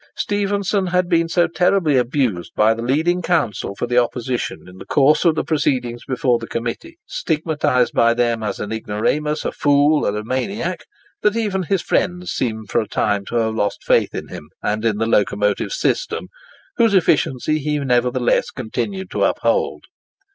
Stephenson had been so terribly abused by the leading counsel for the opposition in the course of the proceedings before the Committee—stigmatised by them as an ignoramus, a fool, and a maniac—that even his friends seem for a time to have lost faith in him and in the locomotive system, whose efficiency he nevertheless continued to uphold.